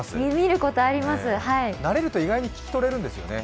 慣れると意外に聞き取れるんですよね。